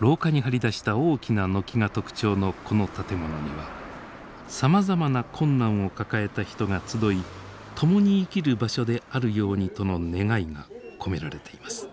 廊下に張り出した大きな軒が特徴のこの建物にはさまざまな困難を抱えた人が集い共に生きる場所であるようにとの願いが込められています。